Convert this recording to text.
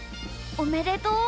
おめでとう！